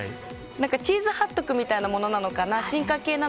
チーズハットグみたいなものなのかな